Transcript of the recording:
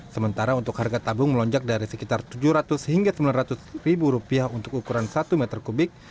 sementara untuk harga tabung melonjak dari sekitar rp tujuh ratus hingga rp sembilan ratus untuk ukuran satu meter kubik